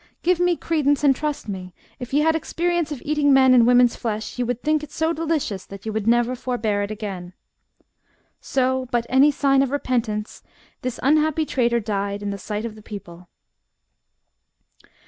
Give me credence and trow me, if ye had experience of eating men and women's flesh, ye wold think it so delicious that ye wold never forbear it again.' So, but any sign of repentance, this unhappy traitor died in the sight of the people."